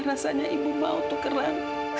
rasanya ibu mau tukeran